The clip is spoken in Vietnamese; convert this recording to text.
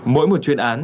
mỗi một chuyện án